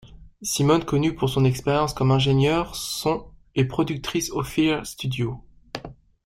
Simone connu pour son expérience comme ingénieure-son et productrice aux Fear Studios.